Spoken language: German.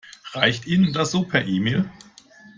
Reicht Ihnen das so per E-Mail?